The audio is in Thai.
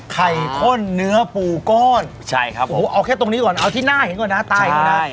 ข้นเนื้อปูก้อนใช่ครับโอ้โหเอาแค่ตรงนี้ก่อนเอาที่หน้าเห็นก่อนนะตายก่อนนะ